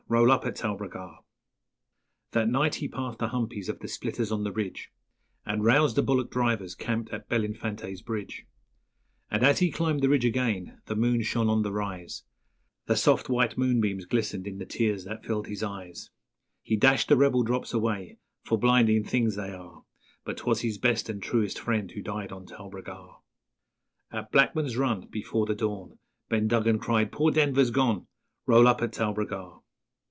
Roll up at Talbragar!'_ That night he passed the humpies of the splitters on the ridge, And roused the bullock drivers camped at Belinfante's Bridge; And as he climbed the ridge again the moon shone on the rise; The soft white moonbeams glistened in the tears that filled his eyes; He dashed the rebel drops away for blinding things they are But 'twas his best and truest friend who died on Talbragar. _At Blackman's Run Before the dawn, Ben Duggan cried, 'Poor Denver's gone! Roll up at Talbragar!'